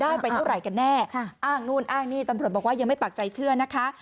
ไปเท่าไหร่กันแน่อ้างนู่นอ้างนี่ตำรวจบอกว่ายังไม่ปากใจเชื่อนะคะ